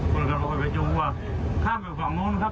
คนขัดรถไฟไปจงหัวข้ามไปฝั่งโน้นครับ